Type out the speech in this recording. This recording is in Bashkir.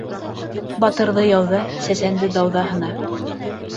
Батырҙы яуҙа, сәсәнде дауҙа һына.